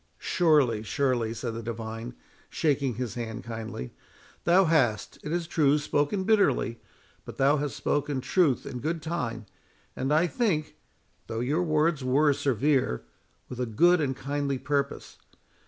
"Surely, surely,"—said the divine, shaking his hand kindly; "thou hast, it is true, spoken bitterly, but thou hast spoken truth in good time; and I think—though your words were severe—with a good and kindly purpose.